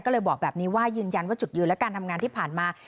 ก็เลยบอกแบบนี้ว่ายืนยันว่าจุดยืนและการทำงานที่ผ่านมา